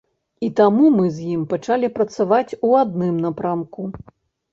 І таму мы з ім пачалі працаваць у адным напрамку.